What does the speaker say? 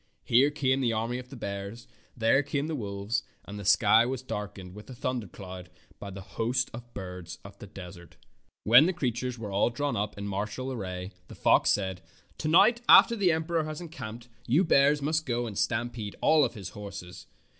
Here came the army of bears, there came the wolves, and the sky was darkened as with a thundercloud by the host of birds of the desert. When the creatures were all drawn up in martial array the fox said: "To night, after the emperor has encamped, you bears must go and stampede all his horses.